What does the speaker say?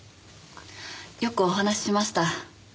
よくお話ししました。